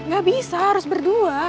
gak bisa harus berdua